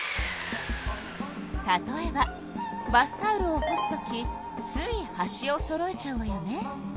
例えばバスタオルを干すときつい端をそろえちゃうわよね。